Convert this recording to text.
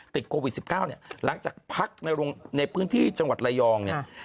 ติดโกวิด๑๙หลังจากพักในพื้นที่จังหวัดระยอง